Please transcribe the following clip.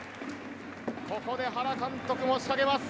ここで原監督も、仕掛けます。